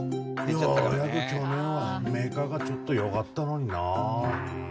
ようやぐ去年はメカがちょっとよがったのになあ。